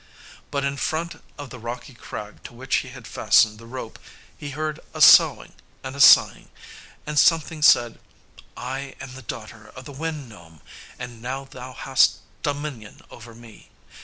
But in front of the rocky crag to which he had fastened the rope, he heard a soughing and a sighing, and something said, "I am the daughter of the Wind Gnome, and now thou hast dominion over me!